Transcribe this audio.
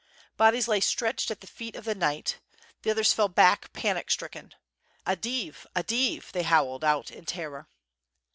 Bodies lay stretched at the feet of the knight, the others fell back panic stricken. "A div! a div!" they howled out in terror.